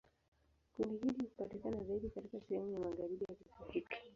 Kundi hili hupatikana zaidi katika sehemu ya magharibi ya kisiwa hiki.